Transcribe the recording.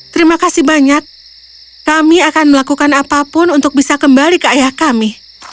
terima kasih banyak kami akan melakukan apapun untuk bisa kembali ke ayah kami